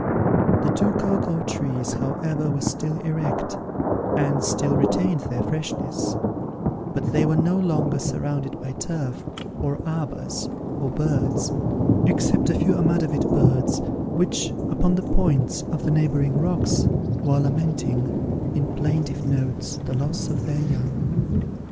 The two cocoa trees, however, were still erect, and still retained their freshness; but they were no longer surrounded by turf, or arbours, or birds, except a few amadavid birds, which, upon the points of the neighbouring rocks, were lamenting, in plaintive notes, the loss of their young.